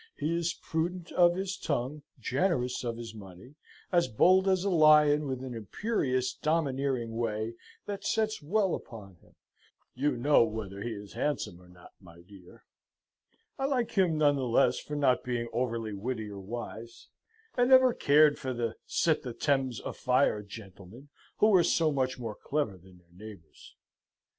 He is prudent of his tongue, generous of his money, as bold as a lyon, with an imperious domineering way that sets well upon him; you know whether he is handsome or not: my dear, I like him none the less for not being over witty or wise, and never cared for your sett the Thames afire gentlemen, who are so much more clever than their neighbours.